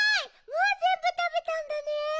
もうぜんぶたべたんだね。